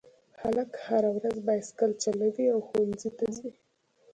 هلک هره ورځ بایسکل چلوي او ښوونځي ته ځي